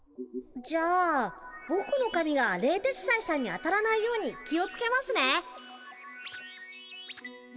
じゃあぼくのかみが冷徹斎さんに当たらないように気をつけますね。